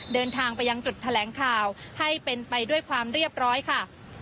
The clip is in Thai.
เดินทางไปยังจุดแถลงข่าวให้เป็นไปด้วยความเรียบร้อยค่ะ